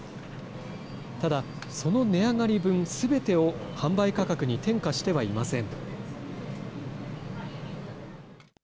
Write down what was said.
ただ、その値上がり分すべてを販売価格に転嫁してはいません。